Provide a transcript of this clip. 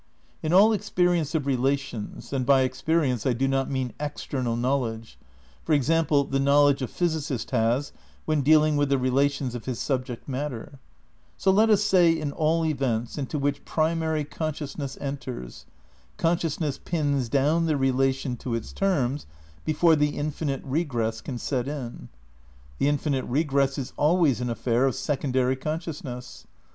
In all experience of relations — and by experience 1 do not mean external knowledge; for example, the knowledge a physicist has when dealing with the rela tions of his subject matter; so let us say in all events into which primary consciousness enters, conscious ness pins down the relation to its terms before the in finite regress can set in. The infinite regress is always an affair of secondary consciousness.